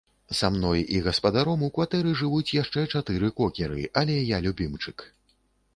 Са мной і гаспадаром у кватэры жывуць яшчэ чатыры кокеры, але я любімчык.